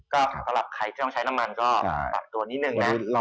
ก็สำหรับใครที่ต้องใช้น้ำมันก็ปรับตัวนิดนึงนะ